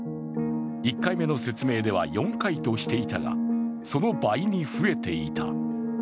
１回目の説明では４回としていたが、その倍に増えていた。